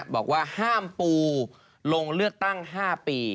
บอกว่าห้ามปูลงเลือกตั้ง๕ปี